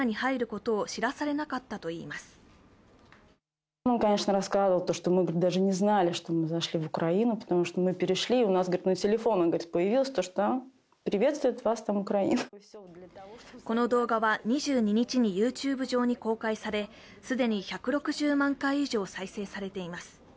この動画は、２２日のＹｏｕＴｕｂｅ上に公開され既に１６０万回以上再生されています